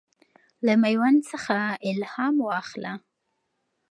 له میوند څخه الهام واخله.